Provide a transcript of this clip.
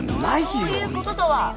こういうこととは？